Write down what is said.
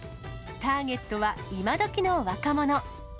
ターゲットは、今どきの若者。